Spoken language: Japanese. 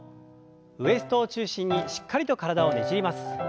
ウエストを中心にしっかりと体をねじります。